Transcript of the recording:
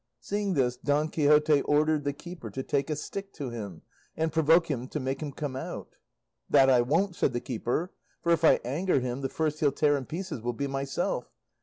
Seeing this, Don Quixote ordered the keeper to take a stick to him and provoke him to make him come out. "That I won't," said the keeper; "for if I anger him, the first he'll tear in pieces will be myself.